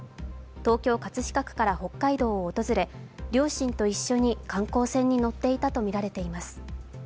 東京・葛飾区から北海道を訪れ両親と一緒に観光船に乗っていたとみられています。